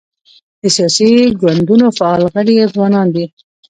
د سیاسي ګوندونو فعال غړي ځوانان دي.